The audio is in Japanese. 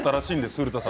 古田さん。